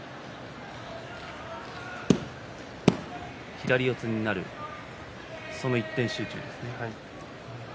左四つになるその一点集中ですね。